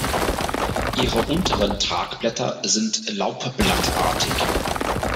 Ihre unteren Tragblätter sind laubblattartig.